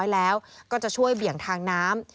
แล้วก็จะช่วยเบี่ยงทางน้ำ